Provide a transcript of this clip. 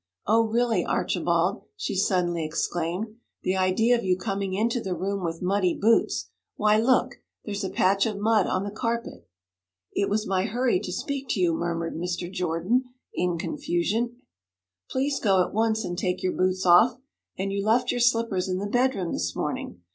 Oh really, Archibald!' she suddenly exclaimed. 'The idea of you coming into the room with muddy boots! Why, look! There's a patch of mud on the carpet ' 'It was my hurry to speak to you,' murmured Mr. Jordan, in confusion. 'Please go at once and take your boots off. And you left your slippers in the bedroom this morning.